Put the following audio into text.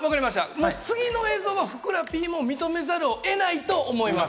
次の映像は、ふくらＰも認めざるを得ないと思います。